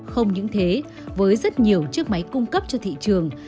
không những thế với rất nhiều chiếc máy cung cấp cho thị trường